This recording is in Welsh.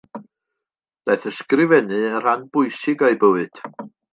Daeth ysgrifennu yn rhan bwysig o'i bywyd.